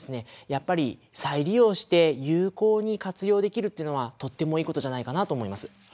やっぱり再利用して有効に活用できるっていうのはとってもいいことじゃないかなと思います。